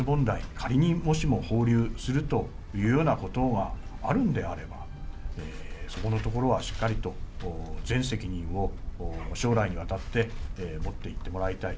仮に、もしも放流するというようなことがあるんであれば、そこのところはしっかりと、全責任を将来にわたって持っていってもらいたい。